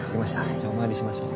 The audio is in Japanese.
じゃあお参りしましょう。